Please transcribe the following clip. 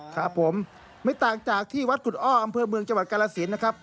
ครับผมไม่ต่างจากที่วัดกุฎอ้ออำเภอเมืองจังหวัดกาลสินนะครับ